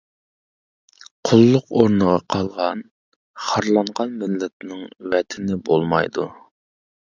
قۇللۇق ئورنىغا قالغان، خارلانغان مىللەتنىڭ ۋەتىنى بولمايدۇ.